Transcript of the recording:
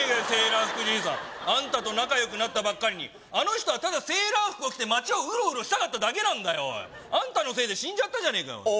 セーラー服じいさんあんたと仲良くなったばっかりにあの人はただセーラー服を着て町をウロウロしたかっただけなんだよあんたのせいで死んじゃったじゃねえかよ